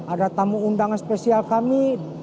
ada tamu undangan spesial kami